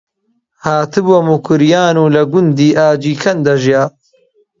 هاتبووە موکریان و لە گوندی ئاجیکەند دەژیا